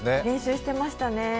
練習してましたね。